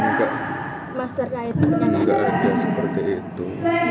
enggak ada seperti itu